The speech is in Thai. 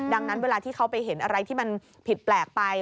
ดังนั้นเวลาที่เขาไปเห็นอะไรที่มันผิดแปลกไป